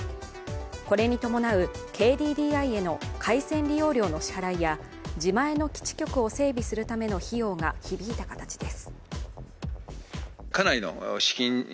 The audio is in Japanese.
これに伴うＫＤＤＩへの回線利用料の支払いや時前の基地局を整備するための費用が響いた形です。